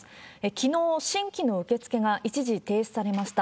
きのう、新規の受け付けが一時停止されました。